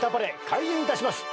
開演いたします。